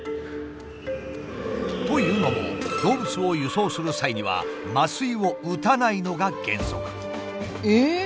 というのも動物を輸送する際には麻酔を打たないのが原則。